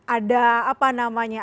ada apa namanya